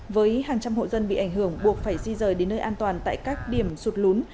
với hàng trăm hộ dân bị ảnh hưởng buộc phải di rời đến nơi an toàn tại các điểm sụt lún